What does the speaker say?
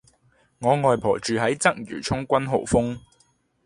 我外婆住喺鰂魚涌君豪峰